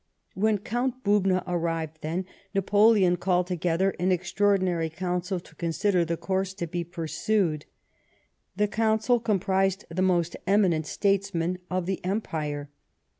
When Count P)ubna arrived, then, Napoleon called together an extraordinary Council to consider the course to be pursued. This Council com prised the most eminent statesmen of the Empire.